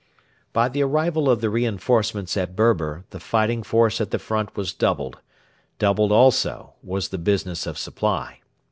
By the arrival of the reinforcements at Berber the fighting force at the front was doubled: doubled also was the business of supply.